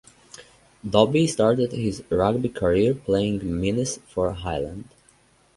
Dobie started his rugby career playing minis for Highland.